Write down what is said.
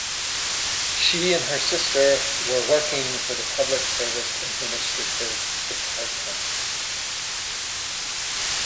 She and her sister were working for the Public Service Administrative Department.